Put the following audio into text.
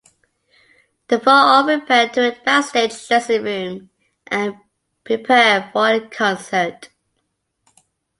The four all repair to a backstage dressing room and prepare for a concert.